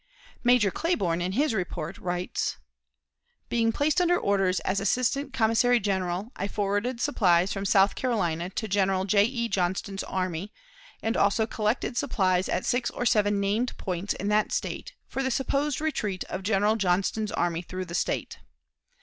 Major Claiborne, in his report, writes: "Being placed under orders as assistant commissary general, I forwarded supplies from South Carolina to General J. E. Johnston's army, and also collected supplies at six or seven named points in that State for the supposed retreat of General Johnston's army through the State.